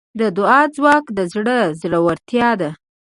د دعا ځواک د زړه زړورتیا ده.